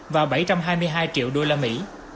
và bảy trăm hai mươi hai triệu đô la mỹ